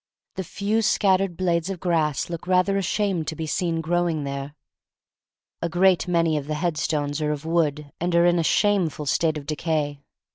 The few scattered blades of grass look rather ashamed to be seen growing there. A great many of the headstones are of wood and are in a shameful state of decay.